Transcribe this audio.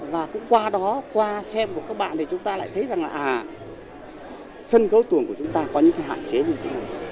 và cũng qua đó qua xem của các bạn thì chúng ta lại thấy rằng là sân khấu tuồng của chúng ta có những cái hạn chế như thế nào